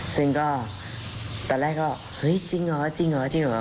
ซึ่งก็ตอนแรกก็เฮ้ยจริงเหรอจริงเหรอจริงเหรอ